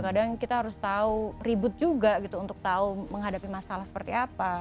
kadang kita harus tahu ribut juga gitu untuk tahu menghadapi masalah seperti apa